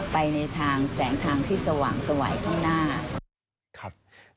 ไปในทางแสงทางที่สว่างสวัยข้างหน้า